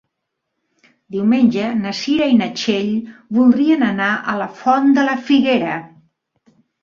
Diumenge na Cira i na Txell voldrien anar a la Font de la Figuera.